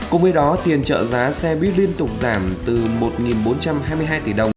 cùng với đó tiền trợ giá xe buýt liên tục giảm từ một bốn trăm hai mươi hai tỷ đồng